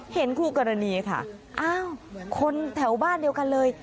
คู่กรณีค่ะอ้าวคนแถวบ้านเดียวกันเลย